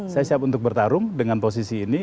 saya siap untuk bertarung dengan posisi ini